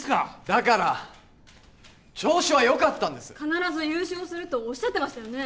だから調子はよかったんです必ず優勝するとおっしゃってましたよね